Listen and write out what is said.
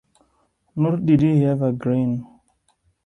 Nor did he ever grin.